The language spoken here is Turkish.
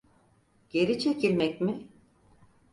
Geri çekilmek mi?